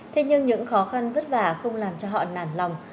thế nhưng những khó khăn vất vả không làm cho họ nản lòng